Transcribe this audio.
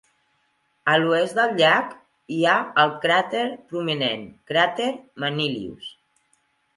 A l'oest del llac hi ha el cràter prominent cràter Manilius.